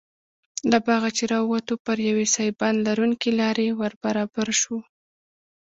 له باغه چې راووتو پر یوې سایبان لرونکې لارې وربرابر شوو.